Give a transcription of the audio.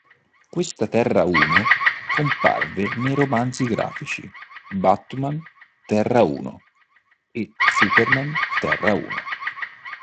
Questa Terra-Uno comparve nei romanzi grafici "Batman: Terra-Uno" e "Superman: Terra-Uno".